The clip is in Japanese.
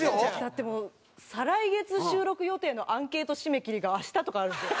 だってもう再来月収録予定のアンケート締め切りが明日とかあるんですよ。